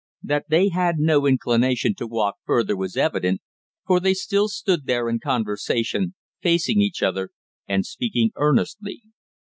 That they had no inclination to walk further was evident, for they still stood there in conversation, facing each other and speaking earnestly.